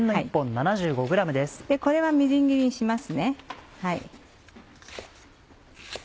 これはみじん切りにします。